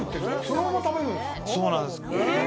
そうなんです。